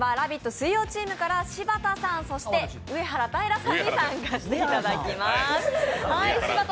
水曜チームから柴田さん、そして上はらたいらさんに参加していただきます。